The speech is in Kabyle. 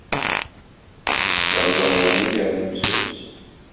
D aẓawan i d aramsu-s.